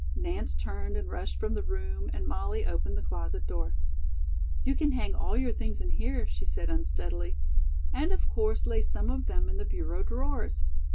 Nance turned and rushed from the room and Molly opened the closet door. "You can hang all your things in here," she said unsteadily, "and of course lay some of them in the bureau drawers.